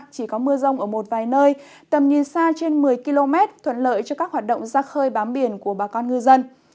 chỉ có mưa rông ở một vài nơi tầm nhìn xa trên một mươi km thuận lợi cho các hoạt động ra khơi bám biển của bà con ngư dân